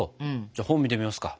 じゃあ本見てみますか？